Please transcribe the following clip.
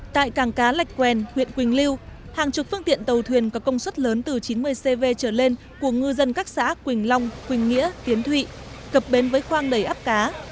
tại cảng cá lạch quen huyện quỳnh lưu hàng chục phương tiện tàu thuyền có công suất lớn từ chín mươi cv trở lên của ngư dân các xã quỳnh long quỳnh nghĩa kiến thụy cập bến với khoang đầy áp cá